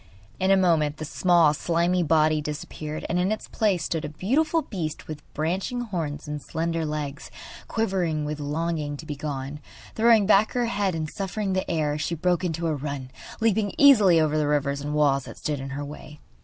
In a moment the small, slimy body disappeared, and in its place stood a beautiful beast with branching horns and slender legs, quivering with longing to be gone. Throwing back her head and snuffing the air, she broke into a run, leaping easily over the rivers and walls that stood in her way.